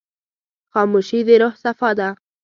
خاموشي، د روح صفا ده.